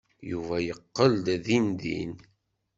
Yuba yeqqel-d dindin.